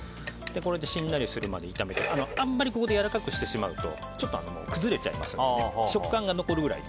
これでしんなりするまで炒めてあんまりここでやわらかくしちゃうとちょっと崩れちゃいますので食感が残るぐらいで。